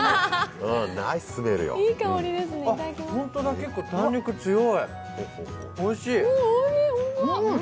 結構、弾力強い、おいしい。